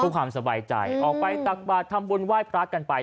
ผู้ความสบายใจออกไปตัดบาตรทำบุญว่ายพระกันไป